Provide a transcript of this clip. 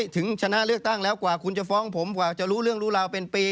ถึงชนะเลือกตั้งแล้วกว่าคุณจะฟ้องผมกว่าจะรู้เรื่องรู้ราวเป็นปี